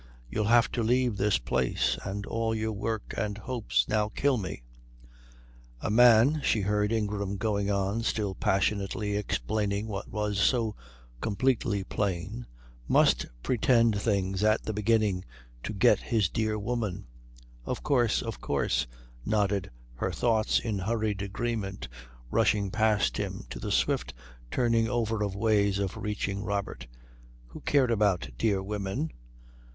You'll have to leave this place, and all your work and hopes. Now kill me." "A man," she heard Ingram going on, still passionately explaining what was so completely plain, "must pretend things at the beginning to get his dear woman " "Of course, of course," nodded her thoughts in hurried agreement, rushing past him to the swift turning over of ways of reaching Robert who cared about dear women?